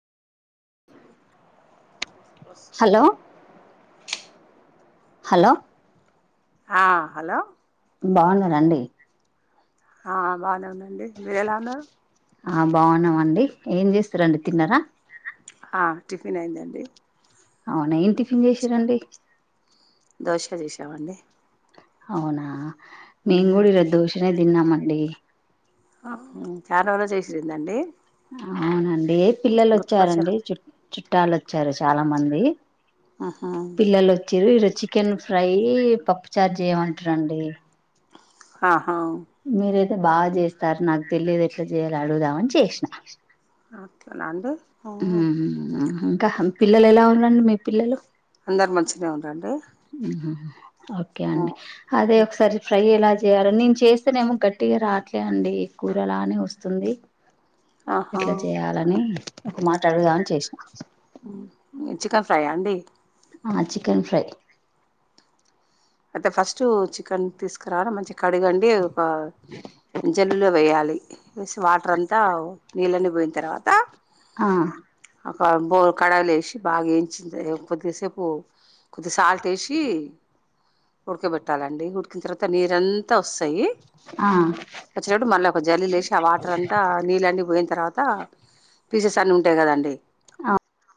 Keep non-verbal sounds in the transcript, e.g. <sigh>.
First hello hello హా hello బాగున్నారా అండి. హా ఆ బాగనే ఉన్నా అండి మీరు ఎలా ఉన్నారు. ఆ బాగున్నాం అండి ఏం చేస్తుర్రు అండి తిన్నరా. ఆ టిఫిన్ అయిందండి. అవునా ఏం టిఫిన్ చేశిర్రండి. దోశ చేశాం అండి. అవునా మేం గూడా ఈరోజు దోశనేే తిన్నామండీ. ఊ చాలా రోజు చేశిందండీ. అవునండి ఏ పిల్లలు వచ్చారండి చుట్ చుట్టాలు వచ్చారు చాలా మందీ. ఆహా పిల్లలు వచ్చిర్రు ఈరోజు చికెన్ ఫ్రై యీ పప్ చారు జెయ్యమంటుర్రండీ ఆ మీరయితే బాగా చేస్తారు నాక్ తెలియదు ఎట్లా జెయాలి అడుగుదామని చేశినా. అట్ల నా అండి హ్మ్. ఊహు ఇంకా పిల్లలు ఎలా ఉన్నారండి మీ పిల్లలు. అందరు మంచిగనే ఉండ్రండి. ఊహు ఓకే అండి అదే ఒకసారి ఫ్రై ఎలా జేయాలో నేను చేస్తనేమో గట్టిగా రాట్లే అండి కూరలానే వస్తుంది. ఆహా ఎట్లా చేయాలనీ ఒక మాట అడుగుదామని చేశినా. చికెన్ ఫ్రై ఆ అండి. ఆ చికెన్ ఫ్రై అయితే ఫస్టూ చికెన్ తీసుకురావాల మంచిగ కడుగండీ ఒకా జల్లడలో వెయ్యాలి. వేసి వాటర్ అంతా నీళ్ళన్ని పోయిన్ తర్వాతా. ఆ <unintelligible> బోల్ కడాయిలు ఏశి బాగా ఏంచి కొద్దిసేపు కొద్దిగ సాల్ట్ ఏశీ ఉడకబెట్టాలండి ఉడికిన తర్వాత నీరంతా వస్తాయి. ఆ వచ్చినప్పుడు మళ్ళా ఒక జలెడ్ లేసి ఆ వాటర్ అంతా నీళ్ళ అన్నీ పోయిన్ తర్వాతా పీసెస్ అన్నీ ఉంటాయి కదండి. ఆ